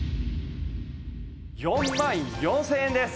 ４万４０００円です！